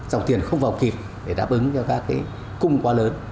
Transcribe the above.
dòng tiền không vào kịp để đáp ứng cho các cái cung quá lớn